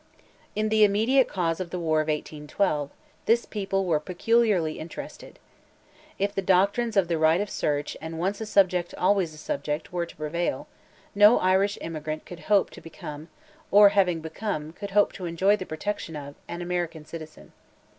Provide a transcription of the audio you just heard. In the immediate cause of the war of 1812, this people were peculiarly interested. If the doctrines of "the right of search" and "once a subject always a subject," were to prevail, no Irish emigrant could hope to become—or having become, could hope to enjoy the protection of—an American citizen.